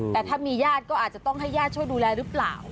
แต่ถ้ามีญาติก็อาจจะต้องให้ญาติช่วยดูแลหรือเปล่า